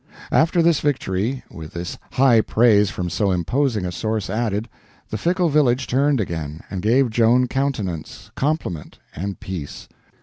After this victory, with this high praise from so imposing a source added, the fickle village turned again, and gave Joan countenance, compliment, and peace.